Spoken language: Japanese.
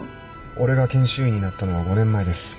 俺が研修医になったのは５年前です。